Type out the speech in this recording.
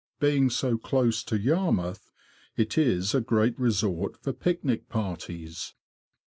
Being so close to Yarmouth, it is a great resort for picnic parties.